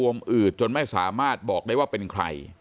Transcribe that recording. วมอืดจนไม่สามารถบอกได้ว่าเป็นใคร